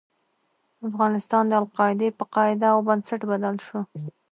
افغانستان د القاعدې په قاعده او بنسټ بدل شو.